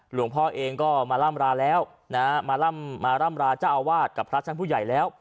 หลวงพ่อเองก็มาร่ำราแล้วนะฮะมาร่ำราเจ้าอาวาสกับพระชั้นผู้ใหญ่แล้ว